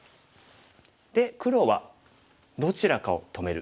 で黒はどちらかを止める。